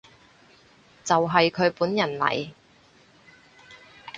就係佢本人嚟